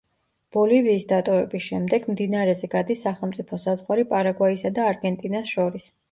ბოლივიის დატოვების შემდეგ, მდინარეზე გადის სახელმწიფო საზღვარი პარაგვაისა და არგენტინას შორის.